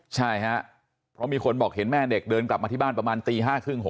ใช่ครับเพราะมีคนบอกเห็นแม่เด็กเดินกลับมาที่บ้านประมาณตี๕๓๐